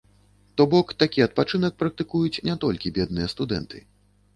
То бок такі адпачынак практыкуюць не толькі бедныя студэнты.